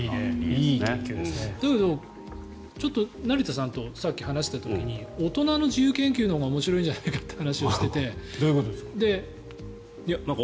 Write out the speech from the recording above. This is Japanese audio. だけどちょっと成田さんとさっき話してた時に大人の自由研究のほうが面白いんじゃないかというどういうことですか？